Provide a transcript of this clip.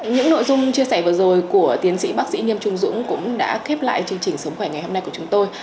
những nội dung chia sẻ vừa rồi của tiến sĩ bác sĩ nghiêm trung dũng cũng đã khép lại chương trình sống khỏe ngày hôm nay của chúng tôi